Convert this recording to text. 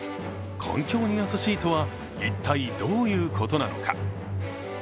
環境に優しいとは一体どういうことなのか。